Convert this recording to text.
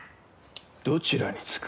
どちらにつく？